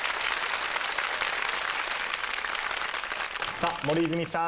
さあ森泉さん。